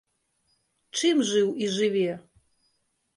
Чым жыў і жыве?